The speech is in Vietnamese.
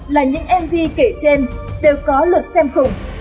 là những mv kể trên đều có luật xem khủng